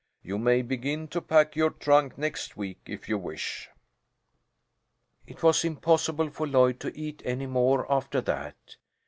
You may begin to pack your trunk next week, if you wish." It was impossible for Lloyd to eat any more after that.